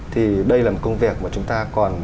thì đây là một công việc mà chúng ta còn